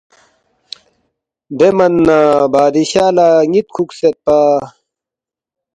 دے من نہ بادشاہ لہ نِ٘ت کُھوکسیدپا